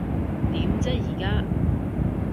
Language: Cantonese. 點啫依家？